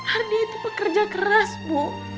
hardi itu pekerja keras bu